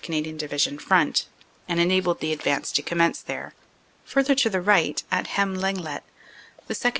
Canadian Division front, and enabled the advance to commence there. "Further to the right, at Hem Lenglet, the 2nd.